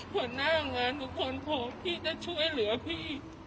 หัวหน้างานทุกคนพร้อมที่จะช่วยเหลือพี่